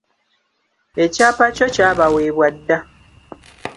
Ekyapa kyo kyabaweebwa dda.